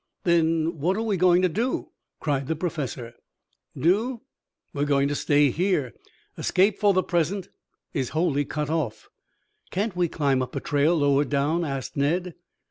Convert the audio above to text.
"Then what are we going to do?" cried the Professor. "Do? We're going to stay here. Escape is for the present wholly cut off " "Can't we climb up a trail lower down?" asked Ned.